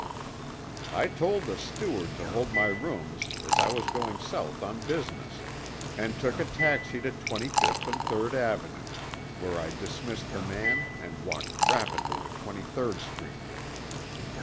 "I told the steward to hold my rooms as I was going South on business, and took a taxi to Twenty fifth and Third Avenue, where I dismissed the man and walked rapidly to Twenty third Street."